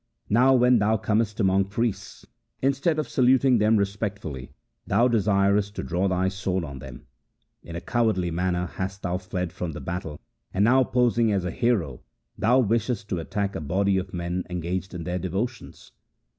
Now when thou comest among priests, instead of saluting them respectfully, thou desirest to draw thy sword on them. In a cowardly manner hast thou fled from the battle, and now posing as a hero thou wishest to attack a body of men engaged in their devotions.'